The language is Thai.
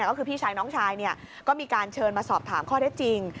ก็คือพี่ชายน้องชายก็มีการเชิญมาสอบถามข้อได้จริง